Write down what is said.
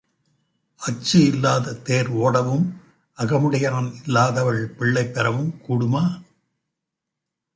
அச்சு இல்லாத தேர் ஓடவும் அகமுடையான் இல்லாதவள் பிள்ளை பெறவும் கூடுமா?